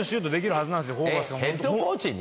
ヘッドコーチに？